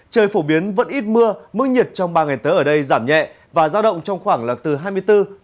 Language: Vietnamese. trời phổ biến vẫn ít mưa mức nhiệt trong ba ngày tới ở đây giảm